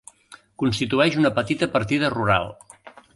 Constitueix una petita partida rural.